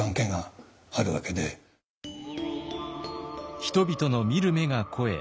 人々の見る目が肥え